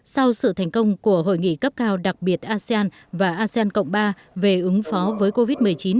sau sự thành công của hội nghị cấp cao đặc biệt asean và asean cộng ba về ứng phó với covid một mươi chín